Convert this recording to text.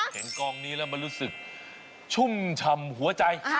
เห็นกล้องนี้แล้วมารู้สึกชุ่มฉ่ำหัวใจ